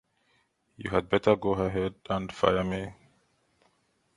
You had better go ahead and fire me.